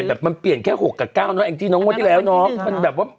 แต่มันเปลี่ยนแค่๖กับ๙เนอะแองจี้น้องว่าที่แล้วเนอะ